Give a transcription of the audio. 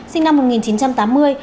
sinh năm một nghìn chín trăm tám mươi